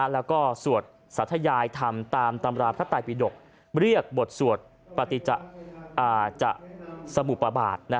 แล้วก็สวดสัทยายธรรมตามตำราพระไตปิดกเรียกบทสวดปฏิสมุปบาท